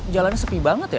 jalannya sepi banget ya